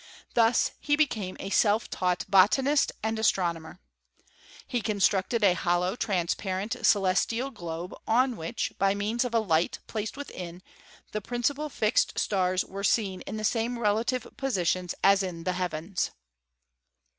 Thus he became a self taught bo tanist and astronomer. He constructed a hollow transparent celestial globe, on which, by means of a light placed within, the principal fixed stars were seen in the same relative positions as in the heavens.